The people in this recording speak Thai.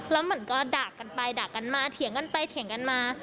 แล้วเหมือนก็ด่ากันไปด่ากันมาเถียงกันไปเถียงกันมา